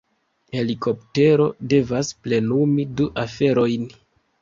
Helikoptero devas plenumi du aferojn.